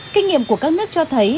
kinh nghiệm của các nước cho thấy